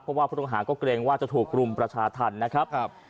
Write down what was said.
เพราะว่าผู้ต้องหาก็เกรงว่าจะถูกรุมประชาธรรมนะครับ